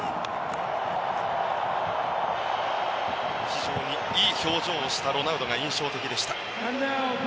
非常にいい表情をしたロナウドが印象的でした。